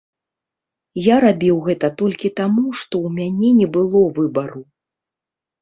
Я рабіў гэта толькі таму, што ў мяне не было выбару.